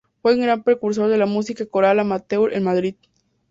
Fue gran precursor de la música coral amateur en Madrid.